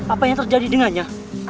apa yang terjadi dengannya